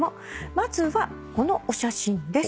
まずはこのお写真です。